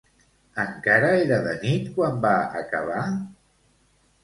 Encara era de nit quan va acabar?